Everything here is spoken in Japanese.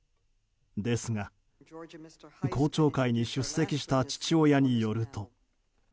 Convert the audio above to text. ですが、公聴会に出席した父親によると。